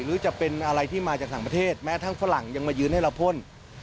หรือจะเป็นอะไรที่มาจากต่างประเทศแม้ทั้งฝรั่งยังมายืนให้เราพ่น